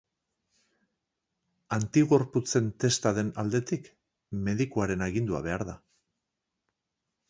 Antigorputzen testa den aldetik, medikuaren agindua behar da.